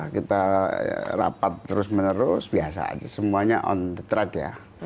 kita rapat terus menerus biasa aja semuanya on the track ya